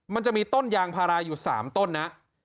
มันจะมีต้นยางพาราอยู่๓ต้นนะ